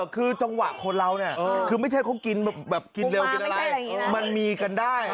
คือจังหวะคนเราเนี่ยคือไม่ใช่เขากินแบบกินเร็วกินอะไรมันมีกันได้